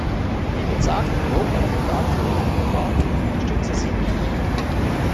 Man sagt, Europa untergrabe die Rechte der Frauen und unterstütze sie nicht.